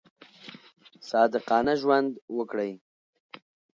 صادقانه ژوند وکړئ.